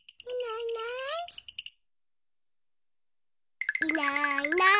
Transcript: いないいない。